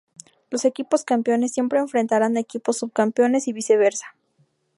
Los equipos campeones siempre enfrentarán a equipos sub-campeones y viceversa.